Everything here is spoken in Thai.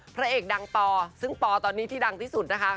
พระเอกดังปอซึ่งปอตอนนี้ที่ดังที่สุดนะคะ